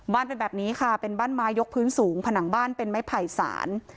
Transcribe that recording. เป็นแบบนี้ค่ะเป็นบ้านไม้ยกพื้นสูงผนังบ้านเป็นไม้ไผ่สาร